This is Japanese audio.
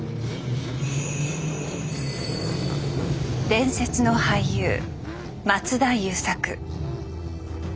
伝説の俳優松田優作。